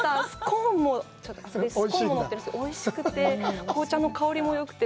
スコーンもおいしくて、紅茶の香りもよくて。